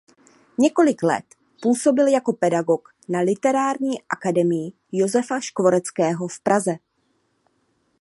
Několik let působil jako pedagog na Literární akademii Josefa Škvoreckého v Praze.